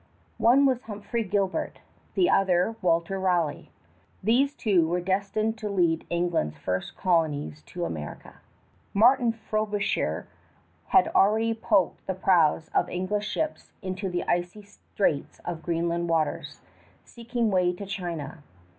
One was Humphrey Gilbert; the other, Walter Raleigh. These two were destined to lead England's first colonies to America. Martin Frobisher had already poked the prows of English ships into the icy straits of Greenland waters, seeking way to China.